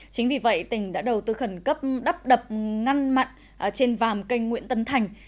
chính vì vậy tỉnh đã đầu tư khẩn cấp đắp đập ngăn mặn trên vàm canh nguyễn tân thành